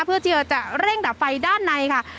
เพื่อที่จะเร่งดับไฟด้านในค่ะ